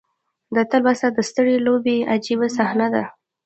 دا تلوسه د سترې لوبې عجیبه صحنه ده.